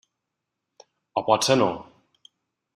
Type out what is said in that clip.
O potser no?